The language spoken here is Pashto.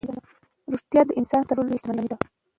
روغتیا د انسان تر ټولو لویه شتمني ده.